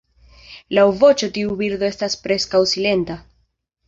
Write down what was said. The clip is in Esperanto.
Laŭ voĉo tiu birdo estas preskaŭ silenta.